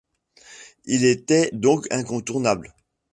Il était donc incontournable.